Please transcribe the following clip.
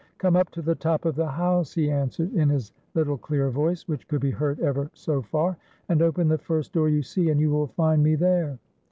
"Come up to the top of the house," he answered in his little clear voice, wliich could be heard ever so far, "and open the first door } ou see, and you will find me there."